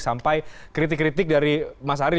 sampai kritik kritik dari mas ari